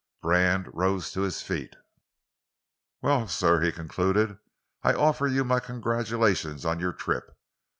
Brand rose to his feet. "Well, sir," he concluded, "I offer you my congratulations on your trip.